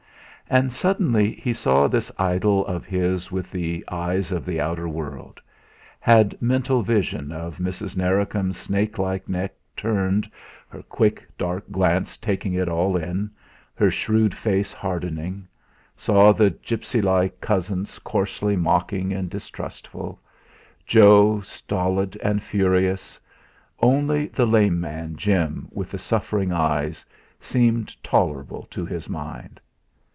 And suddenly he saw this idyll of his with the eyes of the outer world had mental vision of Mrs. Narracombe's snake like neck turned, her quick dark glance taking it all in, her shrewd face hardening; saw the gipsy like cousins coarsely mocking and distrustful; Joe stolid and furious; only the lame man, Jim, with the suffering eyes, seemed tolerable to his mind.